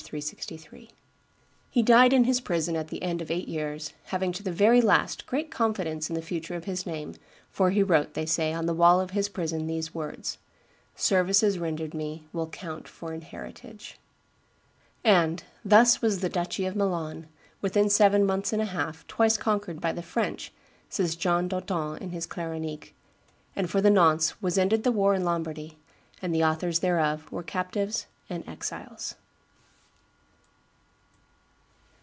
363.] He died in his prison at the end of eight years, having to the very last great confidence in the future of his name, for he wrote, they say, on the wall of his prison these words: "Services rendered me will count for an heritage." And "thus was the duchy of Milan, within seven months and a half, twice conquered by the French," says John d'Auton in his Claronique, "and for the nonce was ended the war in Lombardy, and the authors thereof were captives and exiles."